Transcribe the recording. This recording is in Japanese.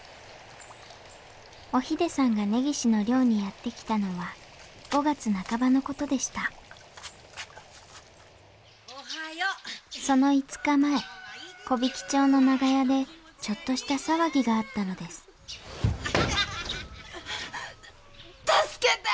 おひでさんが根岸の寮にやって来たのは５月半ばの事でしたその５日前木挽町の長屋でちょっとした騒ぎがあったのです助けて。